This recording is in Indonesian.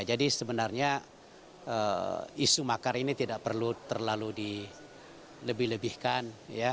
jadi sebenarnya isu makar ini tidak perlu terlalu dilebihkan